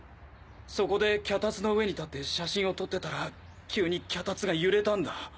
そこで脚立の上に立って写真を撮ってたら急に脚立が揺れたんだ。